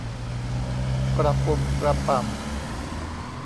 กระปุ่มกระป่ำ